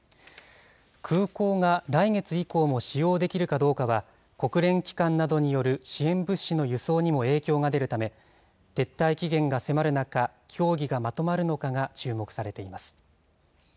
空港が来月以降も使用できるかどうかは、国連機関などによる支援物資の輸送にも影響が出るため、撤退期限が迫る中、協議がまとまるのかが注目されています。